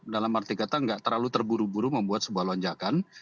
dalam arti kata nggak terlalu terburu buru membuat sebuah lonjakan